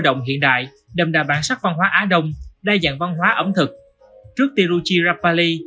động hiện đại đầm đà bản sắc văn hóa á đông đa dạng văn hóa ẩm thực trước tiruchirapalli